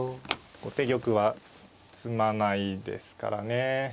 後手玉は詰まないですからね。